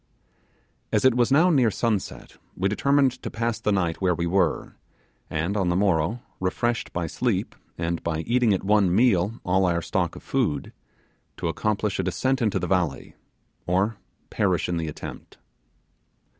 As it was now near sunset we determined to pass the night where we were, and on the morrow, refreshed by sleep, and by eating at one meal all our stock of food, to accomplish a descent into the valley, or perish in the attempt.